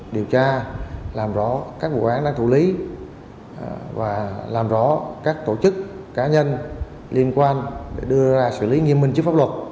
điều tra làm rõ các vụ án đang thủ lý và làm rõ các tổ chức cá nhân liên quan để đưa ra xử lý nghiêm minh trước pháp luật